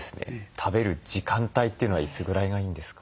食べる時間帯というのはいつぐらいがいいんですか？